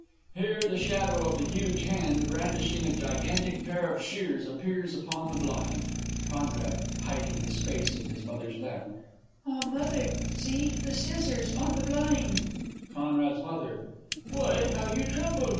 [Here the shadow of a huge hand brandishing a gigantic pair of shears appears upon the blind. Con. (hiding his face in his Mother's lap.) Ah, Mother, see!... the scissors!... On the blind! C.'s M. Why, how you tremble!